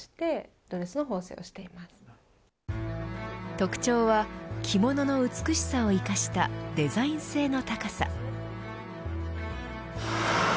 特徴は着物の美しさを生かしたデザイン性の高さ。